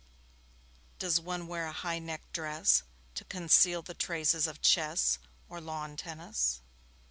'Does one wear a high necked dress to conceal the traces of chess, or lawn tennis?'